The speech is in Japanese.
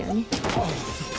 ああ。